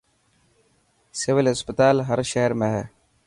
سول اسپتال هر شهر ۾ هي.